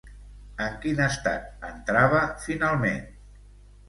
En quin estat entrava finalment?